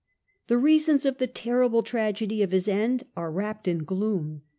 The reasons of the terrible tragedy of his end are wrapped in gloom.